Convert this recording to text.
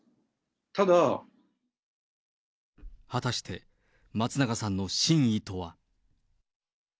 ただ、果たして、松永さんの真意とは。